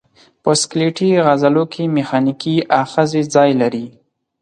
په سکلیټي عضلو کې میخانیکي آخذې ځای لري.